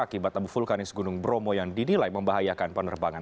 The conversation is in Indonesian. akibat tabu vulkanis gunung bromo yang didilai membahayakan penerbangan